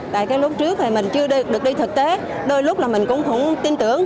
tại cái lúc trước thì mình chưa được đi thực tế đôi lúc là mình cũng không tin tưởng